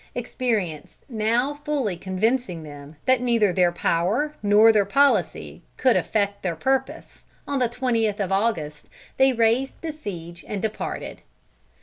Experience now fully convincing them that neither their power nor their policy could effect their purpose, on the twentieth of August they raised the siege and departed.